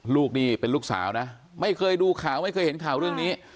ลูกนี่เป็นลูกสาวนะไม่เคยดูข่าวไม่เคยเห็นข่าวเรื่องนี้